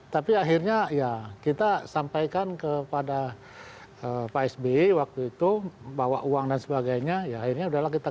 tapi akhirnya ya kita sampaikan kepada psb waktu itu bawa uang dan sebagainya ya ini adalah kita